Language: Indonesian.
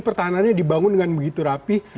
pertahanannya dibangun dengan begitu rapih